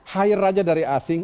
hire aja dari asing